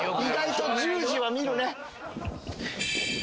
意外と１０時は見るね。